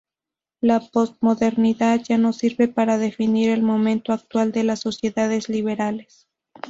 La postmodernidad ya no sirve para definir el momento actual de las sociedades liberales.